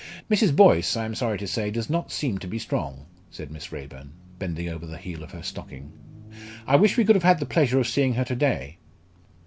"Mrs. Boyce, I am sorry to say, does not seem to be strong," said Miss Raeburn, bending over the heel of her stocking. "I wish we could have had the pleasure of seeing her to day."